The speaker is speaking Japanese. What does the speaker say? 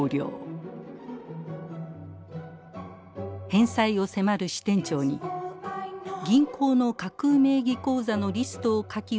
返済を迫る支店長に「銀行の架空名義口座のリストを書き写した手帖がある。